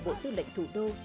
bộ tư lệnh thủ đô